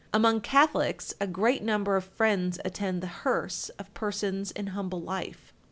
Among Catholics a great number of friends attend the hearse of persons in humble life.